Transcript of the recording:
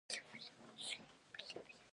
روبوټونه د کور کارونه هم ترسره کوي.